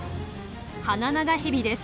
ハナナガヘビです。